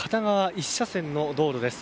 １車線の道路です。